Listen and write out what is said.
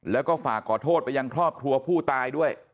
แล้วก็ฝากขอโทษไปยังครอบครัวผู้ตายด้วย